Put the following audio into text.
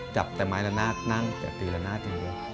จับแต่ไม้ละนาดนั่งแต่ตีละหน้าที